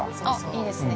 ◆いいですね。